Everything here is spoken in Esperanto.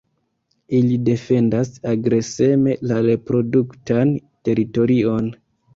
Ili defendas agreseme la reproduktan teritorion.